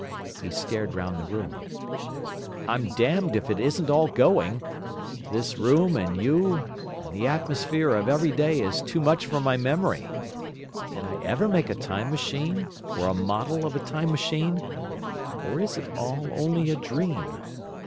He stared round the room. "I'm damned if it isn't all going. This room and you and the atmosphere of every day is too much for my memory. Did I ever make a Time Machine, or a model of a Time Machine? Or is it all only a dream?